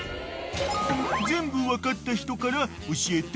［全部分かった人から教えて］